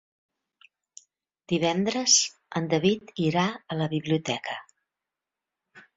Divendres en David irà a la biblioteca.